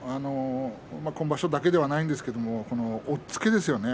今場所だけではないんですが押っつけですよね。